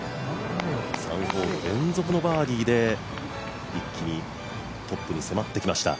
３ホール連続のバーディーで一気にトップに迫ってきました。